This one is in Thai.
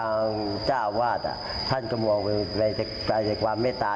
อาวาทท่านกระม่วงไปจากความเมตตา